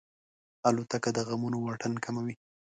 الوتکه د غمونو واټن کموي.